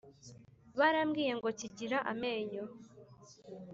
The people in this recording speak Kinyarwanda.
barambwiye ngo kigira amenyo